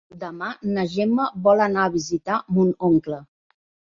Demà na Gemma vol anar a visitar mon oncle.